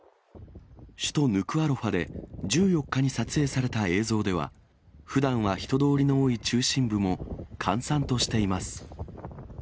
首都ヌクアロファで、１４日に撮影された映像では、ふだんは人通りの多い中心部も閑散としています。